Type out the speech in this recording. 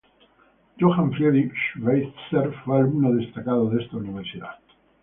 Johann Friedrich Schweitzer fue alumno destacado de esta universidad.